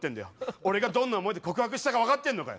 俺がどんな思いで告白したか分かってんのかよ。